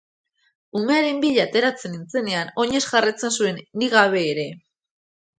Umearen bila ateratzen nintzenean, oinez jarraitzen zuen ni gabe ere.